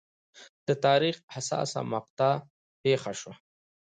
د تاریخ حساسه مقطعه پېښه شوه.